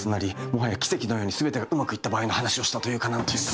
もはや奇跡のように全てがうまくいった場合の話をしたというか何というか。